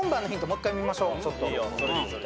もう一回見ましょう。